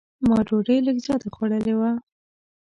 ما ډوډۍ لږ زیاته خوړلې وه.